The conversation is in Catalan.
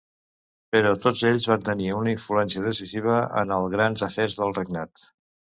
Però tots ells van tenir una influència decisiva en els grans afers del regnat.